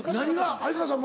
相川さんも？